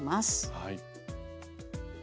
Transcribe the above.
はい。